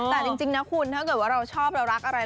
แต่จริงนะคุณถ้าเกิดว่าเราชอบเรารักอะไร